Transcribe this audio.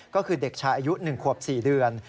ก็คือเด็กชายอายุ๑ขวบ๔เดือน